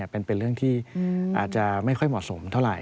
เป็นเรื่องที่อาจจะไม่ค่อยเหมาะสมเท่าไหร